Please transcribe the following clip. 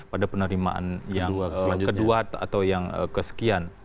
pada penerimaan yang kedua atau yang kesekian